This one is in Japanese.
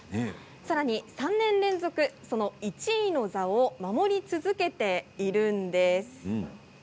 さらに３年連続その１位の座を守り続けているんです。